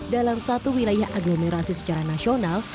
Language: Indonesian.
dalam satu wilayah aglomerasi secara nasional